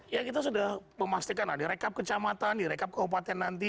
ya kita sudah memastikan di rekap kecamatan di rekap kabupaten nanti